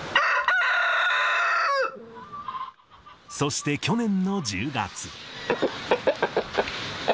そして去年の１０月。